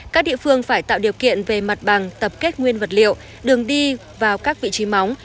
các địa phương phải tạo điều kiện về mặt bằng tập kết nguyên vật liệu đường đi vào các vị trí móng